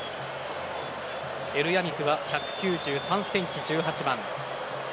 エルヤミクは１９３ｃｍ、１８番。